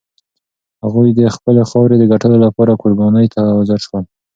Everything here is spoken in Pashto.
هغوی د خپلې خاورې د ګټلو لپاره قربانۍ ته حاضر شول.